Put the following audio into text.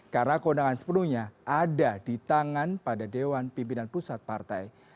karena keundangan sepenuhnya ada di tangan pada dewan pimpinan pusat partai